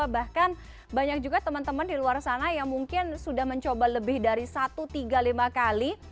bahkan banyak juga teman teman di luar sana yang mungkin sudah mencoba lebih dari satu tiga lima kali